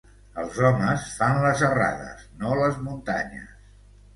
Els homes fan les errades, no les muntanyes.